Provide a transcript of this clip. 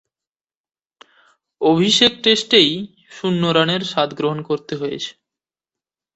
অভিষেক টেস্টেই শূন্য রানের স্বাদ গ্রহণ করতে হয়েছে।